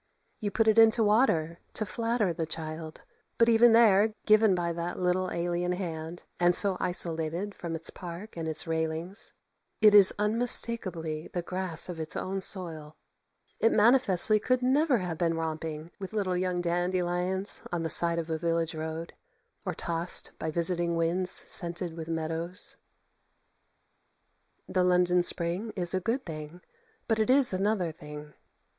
You put it into water to flatter the child, but even there, given by that little alien hand, and so isolated from its park and its railings, it is unmistakably the grass of its own soil; it manifestly could never have been romping with little young dandelions on the side of a village road, or tossed by visiting winds scented with meadows. The London spring is a good thing, but it is another thing.